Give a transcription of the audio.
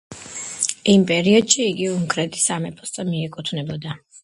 იმ პერიოდში იგი უნგრეთის სამეფოს მიეკუთვნებოდა.